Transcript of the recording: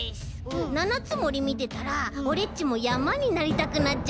七ツ森みてたらオレっちもやまになりたくなっちゃって。